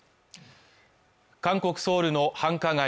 韓国ソウルの繁華街